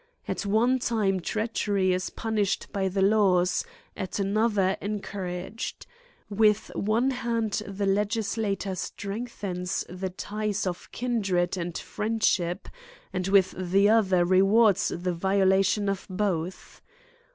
At one time treachery is punished by the laws, at another encouraged. With one hand the legislator strengthens the ties of kindred and friendship, and with the other rewards the violation of both.